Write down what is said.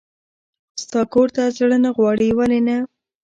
ستا کور ته زړه نه غواړي؟ ولې نه.